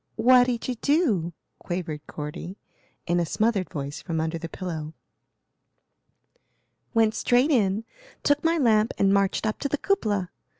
"What did you do? quavered Cordy, in a smothered voice from under the pillow. "Went straight in, took my lamp and marched up to the cupola.